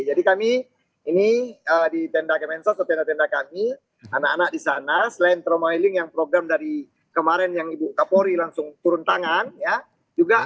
jadi kami ini di tenda kemensos atau tenda tenda kami anak anak di sana selain trauma healing yang program dari kemarin yang ibu kapori langsung turun tangan ya